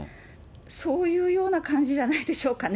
そういうような感じじゃないでしょうかね。